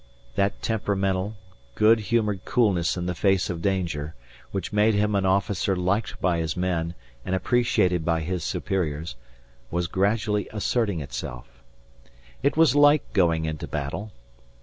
That temperamental, good humoured coolness in the face of danger, which made him an officer liked by his men and appreciated by his superiors, was gradually asserting itself. It was like going into battle.